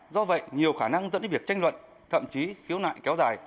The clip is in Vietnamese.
do vậy nhiều khả năng dẫn đến việc tranh luận thậm chí khiếu nại kéo dài